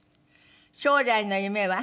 「将来の夢は？」